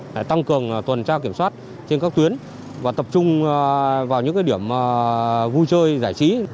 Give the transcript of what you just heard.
để tăng cường tuần tra kiểm soát trên các tuyến và tập trung vào những điểm vui chơi giải trí